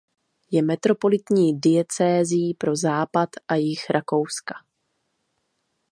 Je metropolitní diecézí pro západ a jih Rakouska.